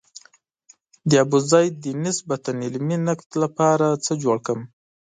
د ابوزید د نسبتاً علمي نقد لپاره څه جوړ کړم.